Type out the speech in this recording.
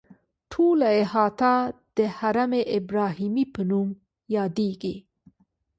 ټوله احاطه د حرم ابراهیمي په نوم یادیږي.